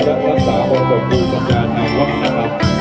จากภาษาพละบริกุจังหยานวัฒนธรรม